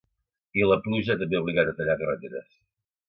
I la pluja també ha obligat a tallar carreteres.